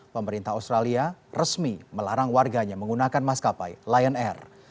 pemerintah australia resmi melarang warganya menggunakan maskapai lion air